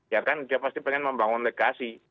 ya kan dia pasti pengen membangun legasi